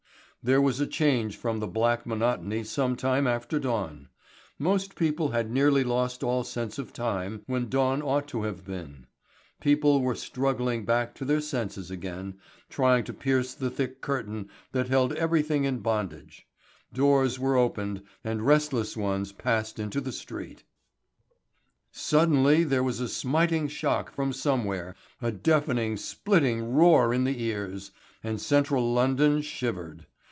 There was a change from the black monotony some time after dawn. Most people had nearly lost all sense of time when dawn ought to have been. People were struggling back to their senses again, trying to pierce the thick curtain that held everything in bondage. Doors were opened and restless ones passed into the street. Suddenly there was a smiting shock from somewhere, a deafening splitting roar in the ears, and central London shivered.